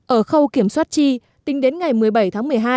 ở khâu kiểm soát chi tính đến ngày một mươi bảy tháng một mươi hai